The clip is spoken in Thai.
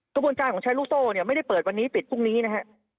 กระบวนการของใช้ลูกโซ่เนี่ยไม่ได้เปิดวันนี้ปิดพรุ่งนี้นะฮะ